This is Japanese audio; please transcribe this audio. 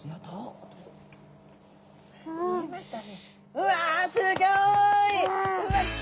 うわすギョい！